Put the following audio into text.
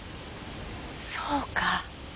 そうか。